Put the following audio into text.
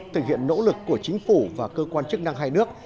thực hiện nỗ lực của chính phủ và cơ quan chức năng hai nước